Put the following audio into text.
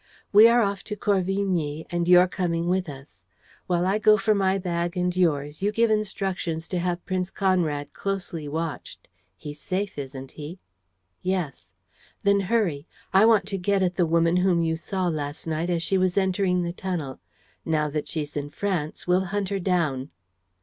We are off to Corvigny and you're coming with us. While I go for my bag and yours, you give instructions to have Prince Conrad closely watched. He's safe, isn't he?" "Yes." "Then hurry. I want to get at the woman whom you saw last night as she was entering the tunnel. Now that she's in France, we'll hunt her down."